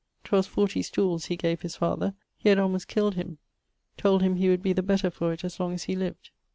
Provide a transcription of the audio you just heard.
'Twas forty stooles he gave his father; he had almost killed him. Told him he would be the better for't as long as he lived.